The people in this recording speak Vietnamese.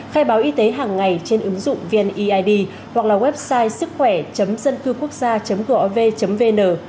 khai báo y tế hàng ngày trên ứng dụng vniid hoặc là website sứckhoẻ dâncưuquốc gia gov vn